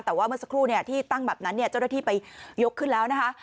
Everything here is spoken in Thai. แต่ว่าเมื่อสักครู่ที่ตั้งแบบนั้นเจ้าหน้าที่ไปยกขึ้นแล้วนะคะ